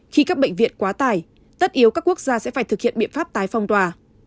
khi các bệnh viện quá tải tất yếu các quốc gia sẽ phải thực hiện biện pháp tái phong tỏa